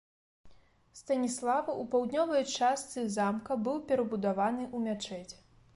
Станіслава ў паўднёвай частцы замка быў перабудаваны ў мячэць.